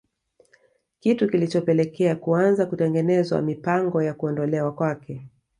Kitu kilichopelekea kuanza kutengenezwa mipango ya kuondolewa kwake